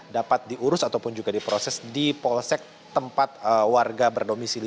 dapat diurus ataupun juga diproses di polsek tempat warga berdomisili